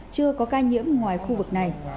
chưa có ca nhiễm ngoài khu vực này